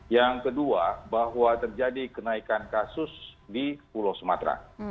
yang kedua bahwa terjadi kenaikan kasus di pulau sumatera